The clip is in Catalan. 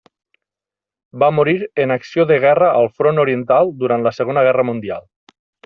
Va morir en acció de guerra al Front Oriental durant la Segona Guerra Mundial.